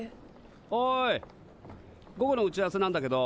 おい午後の打ち合わせなんだけど。